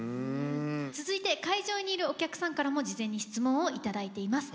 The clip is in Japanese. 続いて会場にいるお客さんからも事前に質問を頂いています。